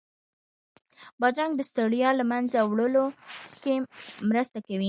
بادرنګ د ستړیا له منځه وړو کې مرسته کوي.